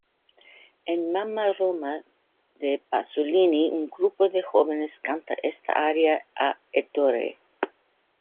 En "Mamma Roma" de Pasolini, un grupo de jóvenes canta esta aria a Ettore.